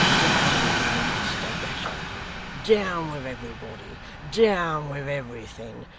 Down with him, Muster Gashford. Down with everybody, down with everything!